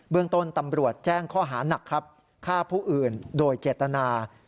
เรื่องต้นตำรวจแจ้งข้อหานักครับฆ่าผู้อื่นโดยเจตนา